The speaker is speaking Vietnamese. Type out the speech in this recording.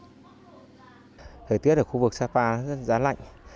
thời tiết ở khu vực sapa rất giá lạnh